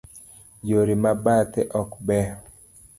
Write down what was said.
Yore ma bathe ok beyo.